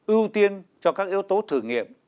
ưu tiên cho các yếu tố thử nghiệm